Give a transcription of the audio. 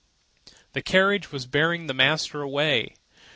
The carriage was bearing the master away.